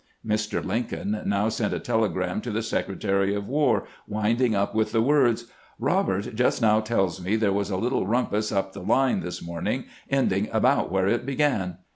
Mr, Lincoln now sent a telegram to the Secretary of War, winding up with the words :" Robert just now tells me there was a little rumpus up the line this morning, end ing about where it began."